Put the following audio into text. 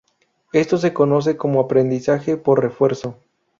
Esto se conoce como aprendizaje por refuerzo.